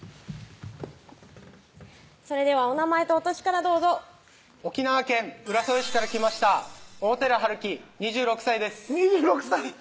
それではお名前とお歳からどうぞ沖縄県浦添市から来ました大寺晴輝２６歳です２６歳！